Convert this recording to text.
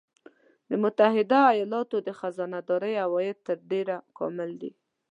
د متحده ایالاتو د خزانه داری عواید تر ډېره کامل دي